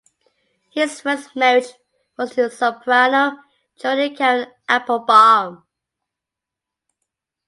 His first marriage was to soprano Jody Karin Applebaum.